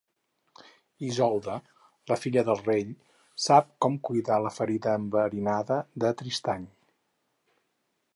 Isolda, la filla del rei, sap com cuidar la ferida enverinada de Tristany.